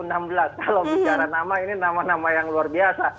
kalau bicara nama ini nama nama yang luar biasa